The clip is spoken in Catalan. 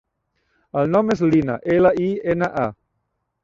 El nom és Lina: ela, i, ena, a.